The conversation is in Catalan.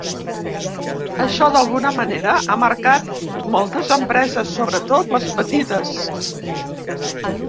Això, d’alguna manera, ha marcat moltes empreses, sobretot les petites.